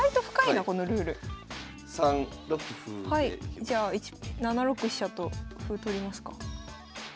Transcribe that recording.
じゃあ７六飛車と歩取りますか。